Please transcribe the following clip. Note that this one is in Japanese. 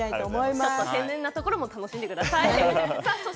ちょっと天然なところも楽しんでください。